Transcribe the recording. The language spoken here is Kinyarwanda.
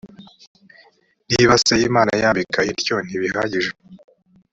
niba se imana yambika ityo ntibihagije